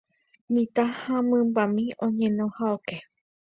mitã ha mymbamimi oñeno ha oke